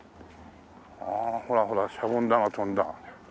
ああほらほらシャボン玉飛んだ。